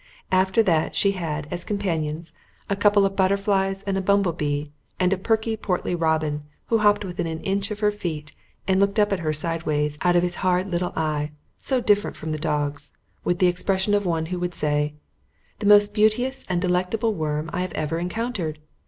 After that she had as companions a couple of butterflies and a bumble bee and a perky, portly robin who hopped within an inch of her feet and looked up at her sideways out of his hard little eye (so different from the dog's) with the expression of one who would say: "The most beauteous and delectable worm I have ever encountered.